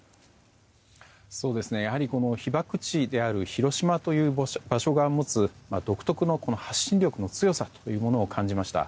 やはり、被爆地である広島という場所が持つ独特の発信力の強さというものを感じました。